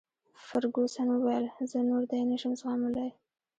فرګوسن وویل: زه نور دی نه شم زغملای.